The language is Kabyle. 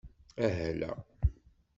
Ahla!